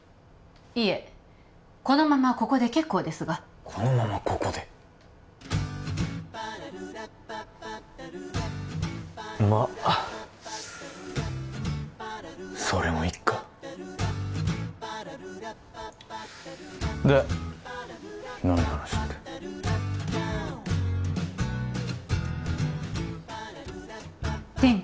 いえこのままここで結構ですがこのままここでまっそれもいっかで何話って？